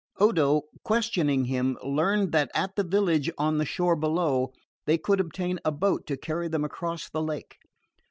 Odo, questioning him, learned that at the village on the shore below they could obtain a boat to carry them across the lake.